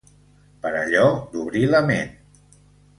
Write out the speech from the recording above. Per allò d’obrir la ment.